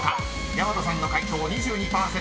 ［やまとさんの解答２２％。